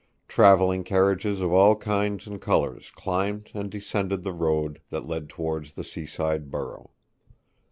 Travelling carriages of all kinds and colours climbed and descended the road that led towards the seaside borough.